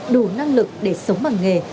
đủ năng lực để sống bằng nghề